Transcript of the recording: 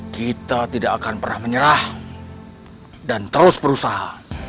kita tidak akan pernah menyerah dan terus berusaha